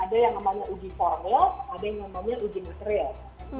ada yang namanya uji formil ada yang namanya uji material